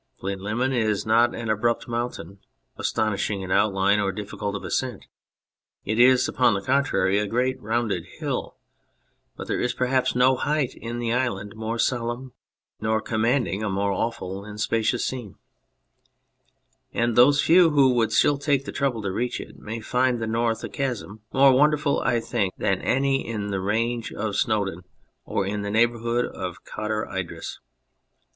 Plinlimmon is not an abrupt mountain, astonishing in outline or difficult of ascent. It is, upon the con trary, a great rounded hill, but there is perhaps no height in the island more solemn nor commanding a more awful and spacious scene, and those few who would still take the trouble to reach it may find the north a chasm more wonderful, I think, than any in the range of Snowdon or in the neighbourhood of Cader Idris.